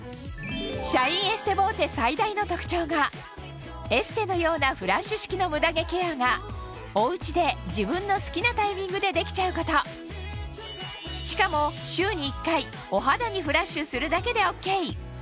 シャインエステボーテ最大の特徴がエステのようなフラッシュ式のムダ毛ケアがおうちで自分の好きなタイミングでできちゃうことしかもまず。